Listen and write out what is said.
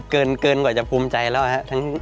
เกินกว่าจะภูมิใจแล้วครับ